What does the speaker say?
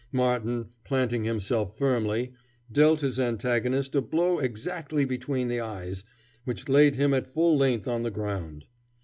Martin, planting himself firmly, dealt his antagonist a blow exactly between the eyes, which laid him at full length on the ground.